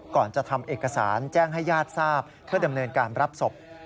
ก่อนจะทำเอกสารแจ้งให้ญาติทราบเพื่อดำเนินการรับศพ